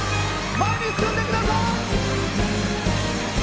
前に進んでください。